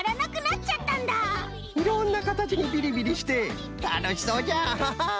いろんなかたちにビリビリしてたのしそうじゃ！